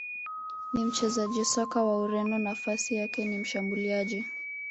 ni mchezaji soka wa Ureno nafasi yake ni Mshambuliaji